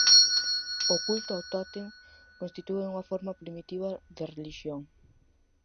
O culto ao tótem constitúe unha forma primitiva de relixión.